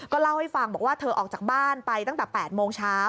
เล่าให้ฟังบอกว่าเธอออกจากบ้านไปตั้งแต่๘โมงเช้า